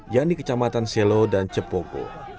yang di kecamatan selau dan cepopo